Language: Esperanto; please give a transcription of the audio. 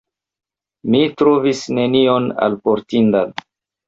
Mi trovis nenion alportindan.